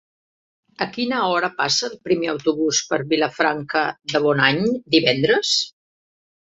A quina hora passa el primer autobús per Vilafranca de Bonany divendres?